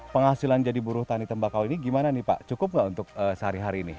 penghasilan jadi buruh tani tembakau ini gimana nih pak cukup nggak untuk sehari hari ini